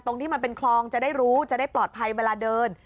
ที่มันเป็นคลองจะได้รู้จะได้ปลอดภัยเวลาเดิน